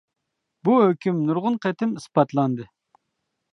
بۇ ھۆكۈم نۇرغۇن قېتىم ئىسپاتلاندى.